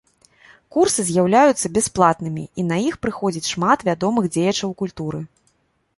Курсы з'яўляюцца бясплатнымі і на іх прыходзіць шмат вядомых дзеячаў культуры.